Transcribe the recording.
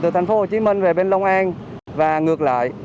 từ tp hcm về bên long an và ngược lại